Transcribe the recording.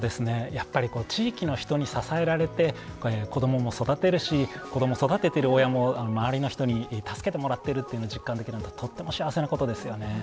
やっぱり地域の人に支えられて子どもも育てるし子ども育ててる親も周りの人に助けてもらってるっていうの実感できるのってとっても幸せなことですよね。